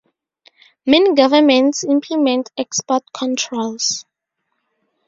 Many governments implement export controls.